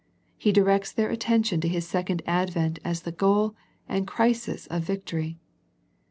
He directs their at tention to His second advent as the goal and crisis of victory.